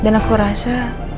dan aku rasa